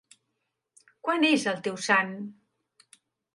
Quan és el teu sant?